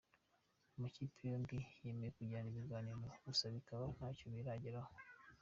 Amakipe yombi yemeye kugirana ibiganiro gusa bikaba ntacyo birageraho.